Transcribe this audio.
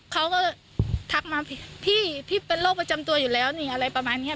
เขาก็ทักมาพี่พี่เป็นโรคประจำตัวอยู่แล้วนี่อะไรประมาณนี้